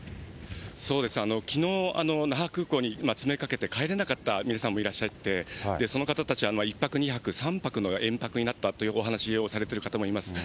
そうです、きのう、那覇空港に詰めかけて帰れなかった皆さんもいらっしゃって、その方たちは１泊２泊、３泊の延泊になったというお話をされてる方もいます。